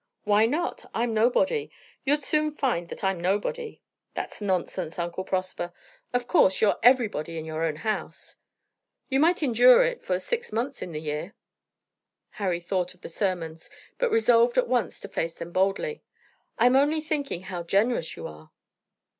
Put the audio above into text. "Why not? I'm nobody. You'd soon find that I'm nobody." "That's nonsense, Uncle Prosper. Of course you're everybody in your own house." "You might endure it for six months in the year." Harry thought of the sermons, but resolved at once to face them boldly. "I am only thinking how generous you are."